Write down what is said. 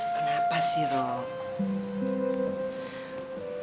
kenapa sih rom